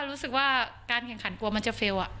รู้สึกว่าการแข่งขันกลัวมันจะเฟลล์